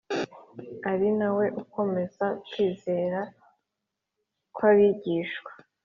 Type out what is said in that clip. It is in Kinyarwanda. ari na we ukomeza kwizera kw’abigishwa